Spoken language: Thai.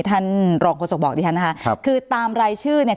ท่านรองโฆษกบอกดิฉันนะคะครับคือตามรายชื่อเนี่ย